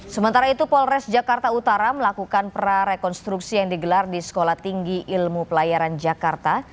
sementara itu polres jakarta utara melakukan prarekonstruksi yang digelar di sekolah tinggi ilmu pelayaran jakarta